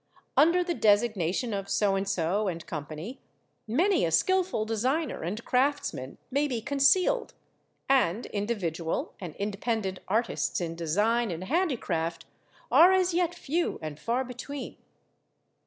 Under the designation of So and so and Co. many a skilful designer and craftsman may be concealed; and individual and independent artists in design and handicraft are as yet few and far between.